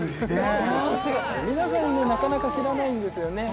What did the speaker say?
皆さんもなかなか知らないんですよね。